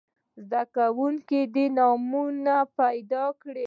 زده کوونکي دې نومونه پیداکړي.